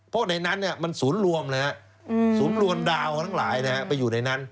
เพราะในนั้นมันศูนย์รวมศูนย์รวมดาวทั้งหลายไปอยู่ในนั้น